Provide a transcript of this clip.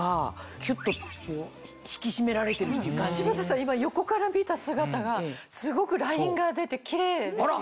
今横から見た姿がすごくラインが出てキレイですよ。